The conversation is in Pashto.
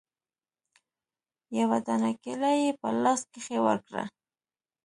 يوه دانه کېله يې په لاس کښې ورکړه.